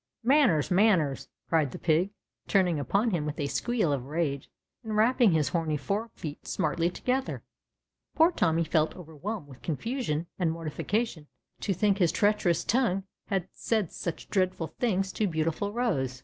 Manners, manners!" cried the pig, turning upon him with a squeal of rage and ra]3ping his horny fore feet smartly together. Poor Tommy felt overwhelmed with confusion and mortification to think his treacherous tongue had said such dreadful things to beautiful Rose THE RED VELVET PIG.